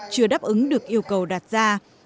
chưa đáp ứng được yêu cầu đạt ra